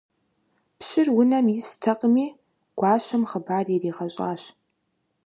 Пщыр унэм истэкъыми, гуащэм хъыбар иригъэщӏащ.